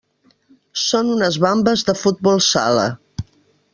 Són unes vambes de futbol sala.